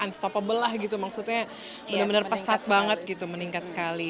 unstoppable lah gitu maksudnya bener bener pesat banget gitu meningkat sekali